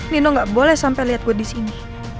nino gak boleh sampai liat gue disini